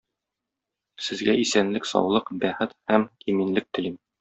Сезгә исәнлек-саулык, бәхет һәм иминлек телим!